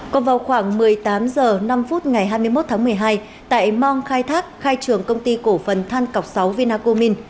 còn vào khoảng một mươi tám h năm ngày hai mươi một tháng một mươi hai tại mong khai thác khai trường công ty cổ phần than cọc sáu vinacomin